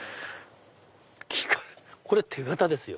これ手型ですよ。